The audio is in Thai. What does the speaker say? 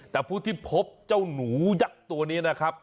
แต่ผู้ที่พบเจ้าหนูยักษ์ตัวนี้นะครับ